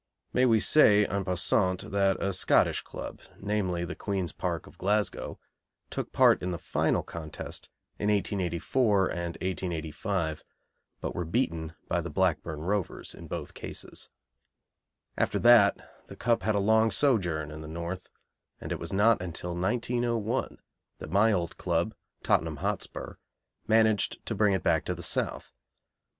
May we say en passant that a Scottish club, namely, the Queen's Park of Glasgow, took part in the final contest in 1884 and 1885, but were beaten by the Blackburn Rovers in both cases. After that the Cup had a long sojourn in the North, and it was not until 1901 that my old club, Tottenham Hotspur, managed to bring it back to the South.